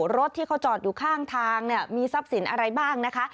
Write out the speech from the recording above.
รถที่เขาจอดอยู่ข้างทางเนี่ยมีทรัพย์สินอะไรบ้างนะคะ